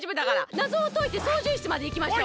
なぞをといてそうじゅう室までいきましょう。